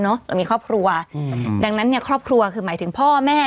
เรามีครอบครัวอืมดังนั้นเนี่ยครอบครัวคือหมายถึงพ่อแม่